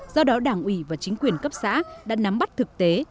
do đó đảng ủy và chính quyền cấp xã đã nắm bắt thực tế